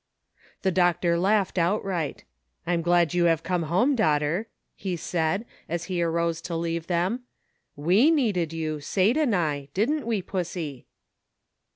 The doctor laughed outright. " I'm glad you have come home, daughter," he said, as he arose to leave them ;" we needed you, Sate and I, didn't we, Pussie